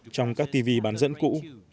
trong các tv bán dẫn cũ